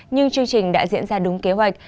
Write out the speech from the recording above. nhưng chương trình đã diễn ra đúng kế hoạch